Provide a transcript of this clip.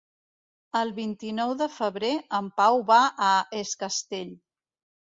El vint-i-nou de febrer en Pau va a Es Castell.